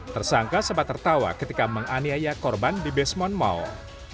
tersangka sempat tertawa ketika menganiaya korban di basement mall